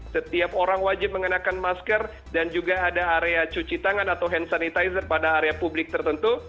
setiap orang wajib mengenakan masker dan juga ada area cuci tangan atau hand sanitizer pada area publik tertentu